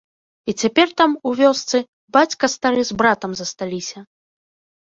І цяпер там, у вёсцы, бацька стары з братам засталіся.